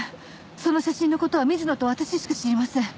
その写真の事は水野と私しか知りません。